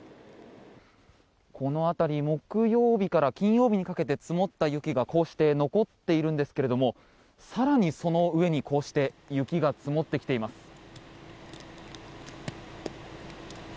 この辺り木曜日から金曜日にかけて積もった雪がこうして残っているんですけども更にその上に、こうして雪が積もってきています。